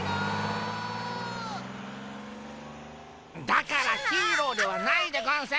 だからヒーローではないでゴンス！